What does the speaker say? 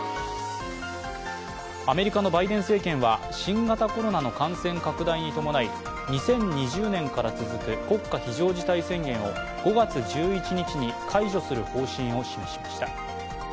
アメリカのバイデン政権は新型コロナの感染拡大に伴い２０２０年から続く国家非常事態宣言を５月１１日に解除する方針を示しました。